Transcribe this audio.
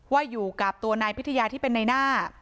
ว่าอยู่กับตัวนายพิทยาที่เป็นในหน้า